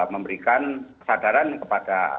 memberikan sadaran kepada